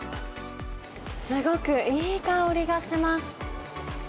すごくいい香りがします。